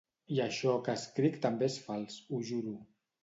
I això que escric també és fals, ho juro.